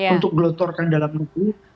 untuk gelotorkan dalam negeri